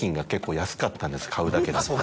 買うだけだったら。